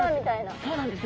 そうなんですよ。